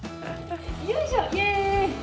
・よいしょイエーイ！